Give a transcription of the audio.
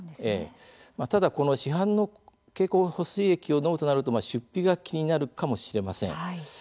ただ市販の経口補水液を飲むとなると出費が気になるかもしれません。